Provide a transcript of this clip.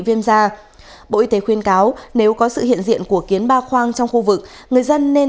viêm da bộ y tế khuyên cáo nếu có sự hiện diện của kiến ba khoang trong khu vực người dân nên